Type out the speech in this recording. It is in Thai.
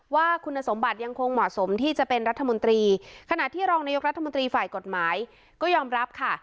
ว่าคุณสมบัติยังคงเหมาะสมที่จะเป็นรัฐมนตรีขณะที่รองนายกรัฐมนตรีฝ่ายกฎหมายก็ยอมรับค่ะ